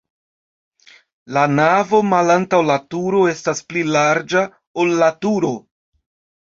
La navo malantaŭ la turo estas pli larĝa, ol la turo.